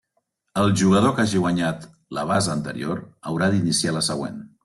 El jugador que hagi guanyat la basa anterior, haurà d'iniciar la següent.